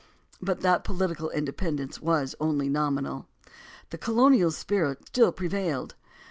But that political independence was only nominal. The colonial spirit still prevailed.